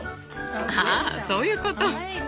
ああそういうこと。